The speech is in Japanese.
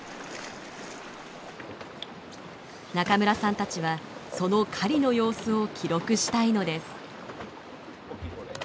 中村さんたちはその狩りの様子を記録したいのです。